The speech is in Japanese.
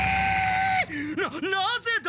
ななぜだ！？